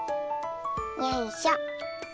よいしょ。